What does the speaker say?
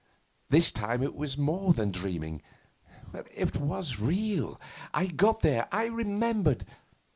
This time it was more than dreaming. It was real. I got there. I remembered.